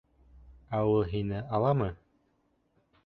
Ә ул һине аламы?